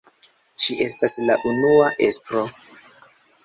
Ŝi estas la unua estro.